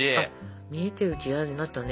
見えてるちやになったね。